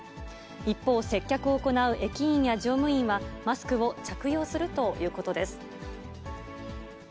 一方、接客を行う駅員や乗務員は、マスクを着用するということです。